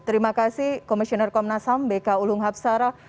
terima kasih komisioner komnasam bk ulung habsara